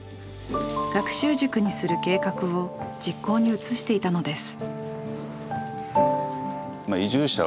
学習塾にする計画を実行に移していたのです。